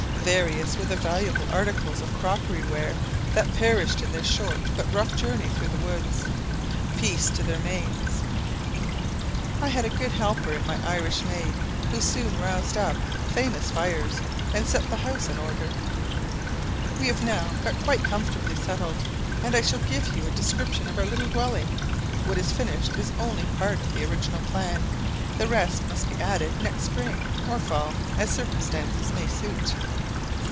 Various were the valuable articles of crockery ware that perished in their short but rough journey through the woods. Peace to their manes. I had a good helper in my Irish maid, who soon roused up famous fires, and set the house in order. We have now got quite comfortably settled, and I shall give you a description of our little dwelling. What is finished is only a part of the original plan; the rest must be added next spring, or fall, as circumstances may suit.